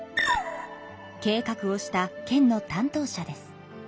計画をした県の担当者です。